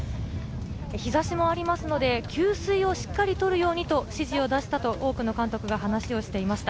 日差しがありますので給水をしっかり取るようにと指示を出したと多くの監督が話していました。